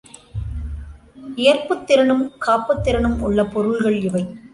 ஏற்புத் திறனும் காப்புத் திறனும் உள்ள பொருள்கள் இவை.